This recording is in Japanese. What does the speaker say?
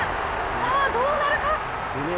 さあ、どうなるか！